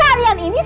orang itu impel